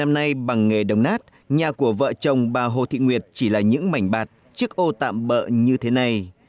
năm nay bằng nghề đồng nát nhà của vợ chồng bà hồ thị nguyệt chỉ là những mảnh bạt chiếc ô tạm bỡ như thế này